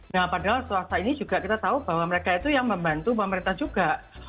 nah padahal swasta ini juga kita tahu bahwa mereka itu yang membantu pemerintah juga